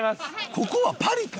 ここはパリか？